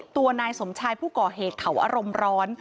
ตัวนายสมชายผู้ก่อเหตุเขาอารมณ์ร้อน